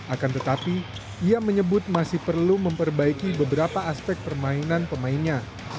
akan tetapi ia menyebut masih perlu memperbaiki beberapa aspek permainan pemainnya